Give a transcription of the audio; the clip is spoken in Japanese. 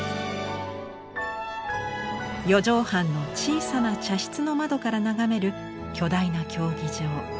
４畳半の小さな茶室の窓から眺める巨大な競技場。